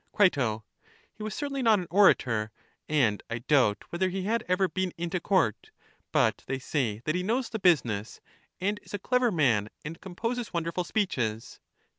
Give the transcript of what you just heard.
Cri. He was certainly not an orator, and I doubt whether he had ever been into court; but they say that he knows the business, and is a clever man, and composes wonderful speeches.